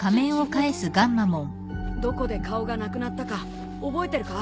どこで顔がなくなったか覚えてるか？